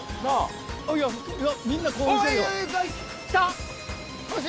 いやみんな興奮してるよ。